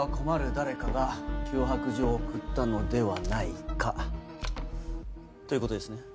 誰かが脅迫状を送ったのではないかということですね？